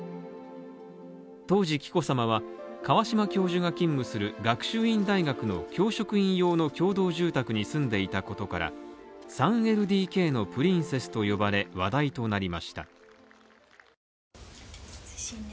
当時紀子さまは川島教授が勤務する学習院大学の教職員用の共同住宅に住んでいたことから、３ＬＤＫのプリンセスと呼ばれ話題となりました。